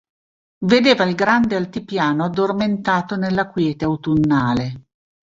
Vedeva il grande altipiano addormentato nella quiete autunnale.